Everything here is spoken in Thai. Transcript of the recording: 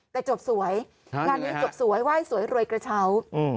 แต่จบสวยงานนี้จบสวยไหว้สวยรวยกระเช้า